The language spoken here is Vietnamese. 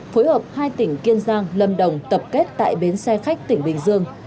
phối hợp hai tỉnh kiên giang lâm đồng tập kết tại bến xe khách tỉnh bình dương